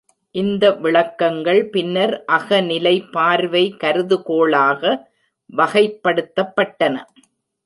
இந்த விளக்கங்கள் பின்னர் அகநிலை பார்வை கருதுகோளாக வகைப்படுத்தப்பட்டன.